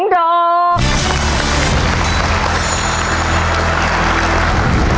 ๒ดอก